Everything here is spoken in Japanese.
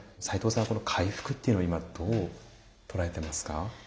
齋藤さんはこの回復っていうのを今どう捉えてますか？